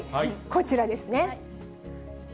こちらですね。